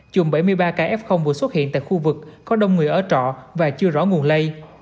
chụm bảy mươi ba ca f vừa xuất hiện tại khu vực có đông người ở trọ và chưa rõ nguồn lây